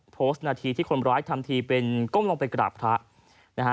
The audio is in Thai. โพสต์หน้าทีที่คนร้ายทำที่เป็นก้มลงไปกราบภาค